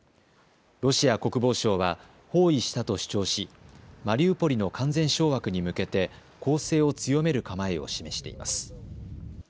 ロシア国防省は包囲したと主張しマリウポリの完全掌握に向けて攻勢を強める構えを示しています。